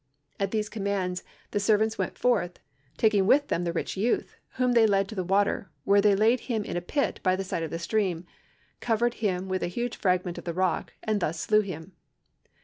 "At these commands the servants went forth, taking with them the rich youth, whom they led to the water, where they laid him in a pit by the side of the stream, covered him with a huge fragment of the rock, and thus slew him.